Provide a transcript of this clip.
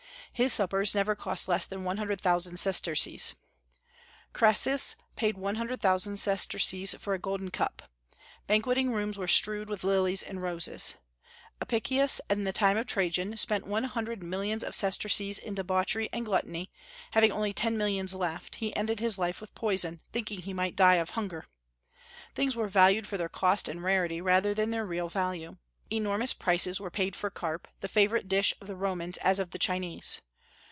His suppers never cost less than one hundred thousand sesterces. Crassus paid one hundred thousand sesterces for a golden cup. Banqueting rooms were strewed with lilies and roses. Apicius, in the time of Trajan, spent one hundred millions of sesterces in debauchery and gluttony; having only ten millions left, he ended his life with poison, thinking he might die of hunger. Things were valued for their cost and rarity rather than their real value. Enormous prices were paid for carp, the favorite dish of the Romans as of the Chinese.